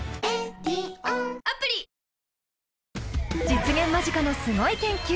実現間近のすごい研究